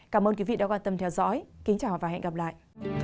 cảm ơn quý vị đã quan tâm theo dõi kính chào và hẹn gặp lại